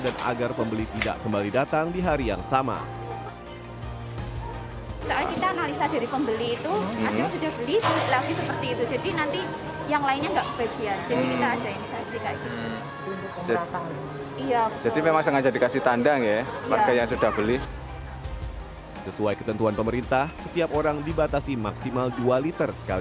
dan agar pembeli tidak kembali datang di hari yang sama